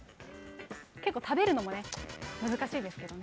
結構食べるのも難しいですけどね。